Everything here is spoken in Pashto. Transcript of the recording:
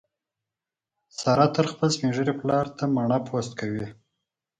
ساره تل خپل سپین ږیري پلار ته مڼه پوست کوي.